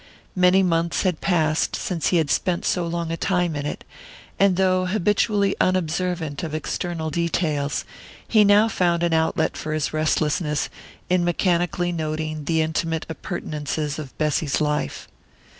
Many months had passed since he had spent so long a time in it, and though habitually unobservant of external details, he now found an outlet for his restlessness in mechanically noting the intimate appurtenances of Bessy's life.